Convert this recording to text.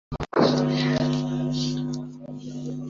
ukaba wanganza mu nganzo